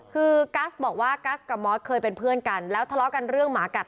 คือกัสบอกว่ากัสกับมอสเคยเป็นเพื่อนกันแล้วทะเลาะกันเรื่องหมากัด